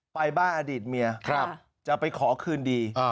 ไปบ้านอดีตเมียจะไปขอคืนดี